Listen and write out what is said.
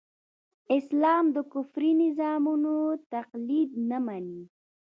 اسلام د کفري نظامونو تقليد نه مني.